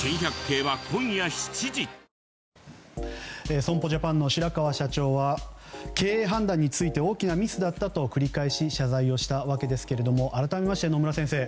損保ジャパンの白川社長は経営判断について大きなミスだったと繰り返し謝罪したわけですが改めまして野村先生